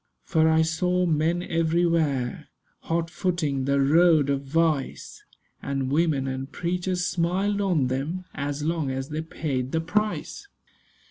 For I saw men everywhere, Hotfooting the road of vice; And women and preachers smiled on them As long as they paid the price.